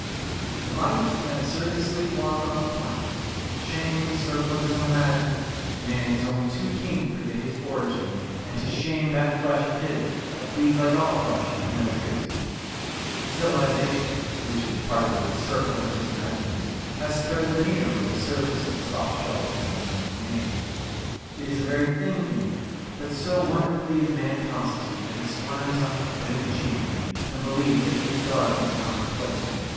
The mightiest and absurdest sleep walker on the planet! Chained in the circle of his own imaginings, man is only too keen to forget his origin and to shame that flesh of his that bleeds like all flesh and that is good to eat. Civilization (which is part of the circle of his imaginings) has spread a veneer over the surface of the soft shelled animal known as man. It is a very thin veneer; but so wonderfully is man constituted that he squirms on his bit of achievement and believes he is garbed in armour plate.